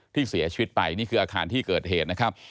ที่เสียชีวิตไปนี่คืออาคารที่เกิดเหตุนะครับ